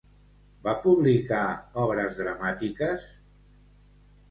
Va publicar obres dramàtiques?